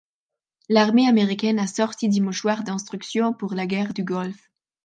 L'armée américaine a sorti des mouchoirs d’instructions pour la guerre du Golfe.